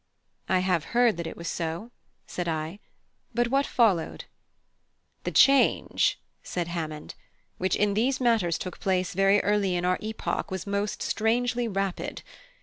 "I have heard that it was so," said I "but what followed?" "The change," said Hammond, "which in these matters took place very early in our epoch, was most strangely rapid.